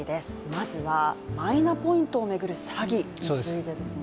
まずはマイナポイントを巡る詐欺についてですね。